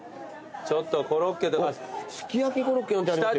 ちょっとコロッケとか。